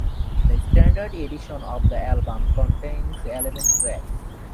The standard edition of the album contains eleven tracks.